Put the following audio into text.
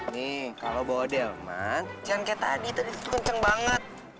nih kalau bawa dia jangan kayak tadi tadi itu kencang banget